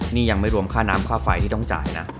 นี่ยังไม่รวมค่าน้ำค่าไฟที่ต้องจ่ายนะ